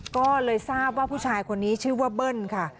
ก็เลยทราบว่าผู้ชายคนนี้ชื่อว่าเบิ้ลค่ะ